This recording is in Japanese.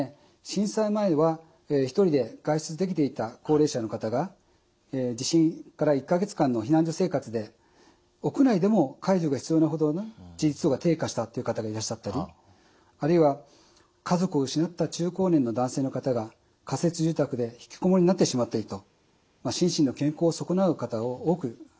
震災前は１人で外出できていた高齢者の方が地震から１か月間の避難所生活で屋内でも介助が必要なほど自立度が低下したという方がいらっしゃったりあるいは家族を失った中高年の男性の方が仮設住宅でひきこもりになってしまったりと心身の健康を損なう方を多く拝見してきました。